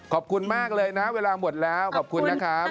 ขอบคุณมากเลยนะเวลาหมดแล้วขอบคุณนะครับ